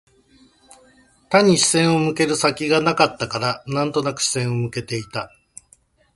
他に視線を向ける先がなかったから、なんとなく視線を向けていた